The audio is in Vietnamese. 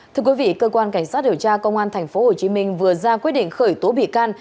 thưa quý vị cơ quan cảnh sát điều tra công an tp hcm vừa ra quyết định khởi tố bị can